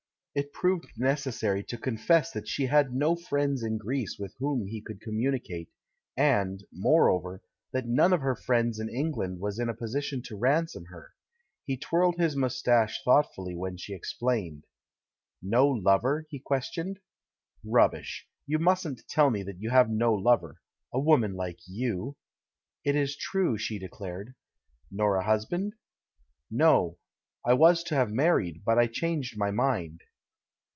It proved necessary, to confess that she had no friends in Greece with whom he could communicate, and, moreover, that none of her friends in England was in a position to ransom her ; he twirled his moustache thoughtfully when she explained. "Xo lover?" he questioned. "Rubbish, you mustn't tell me that you have no lover — a woman like you!" *'It is true," she declared. "Xor a husband?" "Xo ; I was to have married, but I changed my mind."